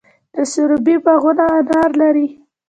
د سروبي باغونه انار لري.